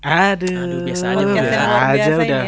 aduh biasa aja udah